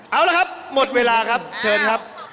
เอาละครับหมดเวลาครับเชิญครับ